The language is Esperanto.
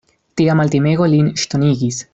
Tia maltimego lin ŝtonigis.